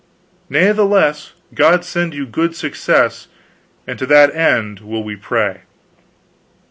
Natheless, God send you good success, and to that end will we pray."